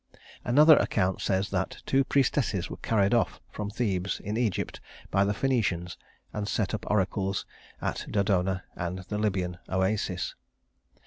Another account says that two priestesses were carried off from Thebes in Egypt by the Phœnicians, and set up oracles at Dodona and the Libyan Oasis.